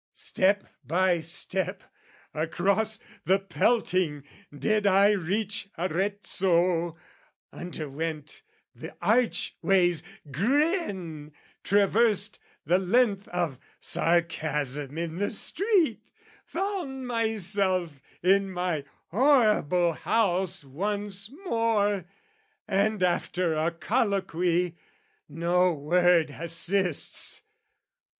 Step By step, across the pelting, did I reach Arezzo, underwent the archway's grin, Traversed the length of sarcasm in the street, Found myself in my horrible house once more, And after a colloquy...no word assists!